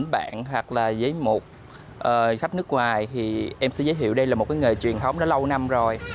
bạn hoặc là với một khách nước ngoài thì em sẽ giới thiệu đây là một cái nghề truyền thống đã lâu năm rồi